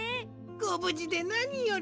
ごぶじでなにより。